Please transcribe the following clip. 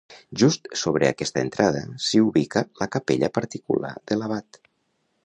Just sobre aquesta entrada, s'hi ubica la capella particular de l'abat.